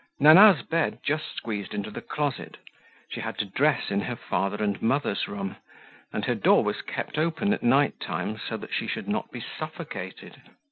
Nana's bed just squeezed into the closet; she had to dress in her father and mother's room, and her door was kept open at night time so that she should not be suffocated.